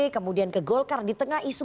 kemudian ke golkar di tengah isu